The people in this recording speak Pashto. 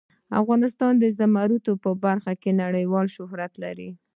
افغانستان د زمرد په برخه کې نړیوال شهرت لري.